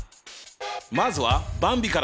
まずはばんびから！